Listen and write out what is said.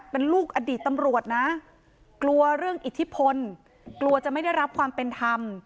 เป็นลูกอดีตตำรวจนะกลัวเรื่องอิทธิพลกลัวจะไม่ได้รับความเป็นธรรม